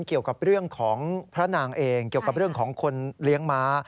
เกี่ยวกับเรื่องของพระนางเองเกี่ยวกับเรื่องของคนเลี้ยงม้า